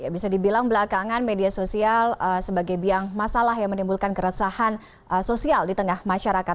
bisa dibilang belakangan media sosial sebagai biang masalah yang menimbulkan keresahan sosial di tengah masyarakat